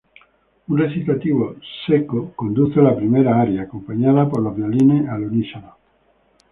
Un recitativo "secco" conduce a la primera aria, acompañada por los violines al unísono.